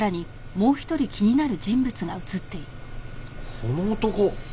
この男！